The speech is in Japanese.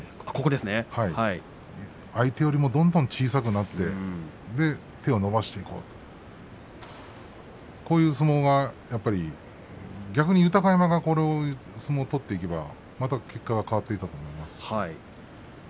相手よりもどんどん小さくなってそして手を伸ばしていこうというこういう相撲が逆に豊山がこういう相撲を取っていけば結果は変わってくると思うんですけどね。